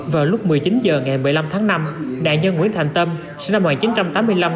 vào lúc một mươi chín h ngày một mươi năm tháng năm nạn nhân nguyễn thành tâm sinh năm một nghìn chín trăm tám mươi năm